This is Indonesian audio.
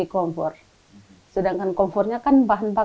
biar saya bisa agak enakan untuk hanya menginap